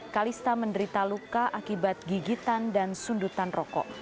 kalista menderita luka akibat gigitan dan sundutan rokok